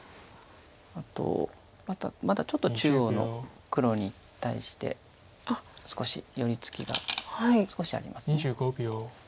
あとまだちょっと中央の黒に対して寄り付きが少しあります。